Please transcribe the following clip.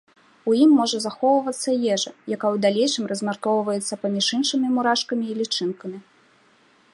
У ім можа захоўвацца ежа, якая ў далейшым размяркоўваецца паміж іншымі мурашкамі і лічынкамі.